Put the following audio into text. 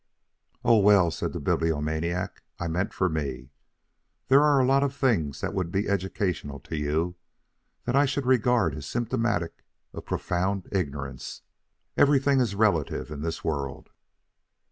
"Oh, well," said the Bibliomaniac, "I meant for me. There are a lot of things that would be educational to you that I should regard as symptomatic of profound ignorance. Everything is relative in this world."